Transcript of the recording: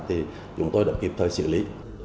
thì chúng tôi đã kịp thời xử lý